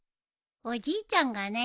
おじいちゃんがね。